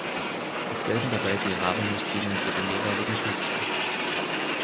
Es gelten dabei die Rahmenrichtlinien für den jeweiligen Schulzweig.